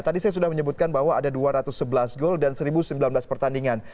tadi saya sudah menyebutkan bahwa ada dua ratus sebelas gol dan satu sembilan belas pertandingan